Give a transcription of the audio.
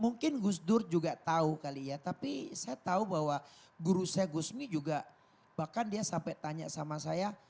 mungkin gus dur juga tahu kali ya tapi saya tahu bahwa guru saya gusmi juga bahkan dia sampai tanya sama saya